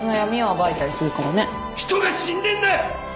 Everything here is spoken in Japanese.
人が死んでんだよ！